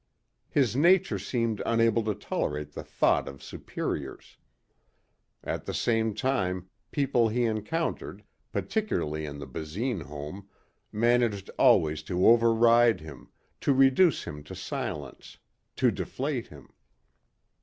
His nature seemed unable to tolerate the thought of superiors. At the same time people he encountered, particularly in the Basine home, managed always to override him, to reduce him to silence, to deflate him.